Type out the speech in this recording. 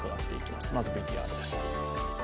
まずＶＴＲです。